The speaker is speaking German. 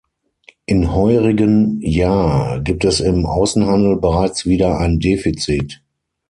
In heurigen Jahr gibt es im Außenhandel bereits wieder ein Defizit.